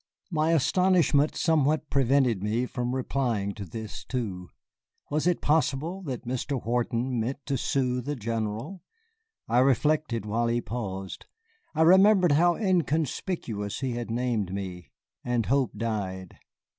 My astonishment somewhat prevented me from replying to this, too. Was it possible that Mr. Wharton meant to sue the General? I reflected while he paused. I remembered how inconspicuous he had named me, and hope died.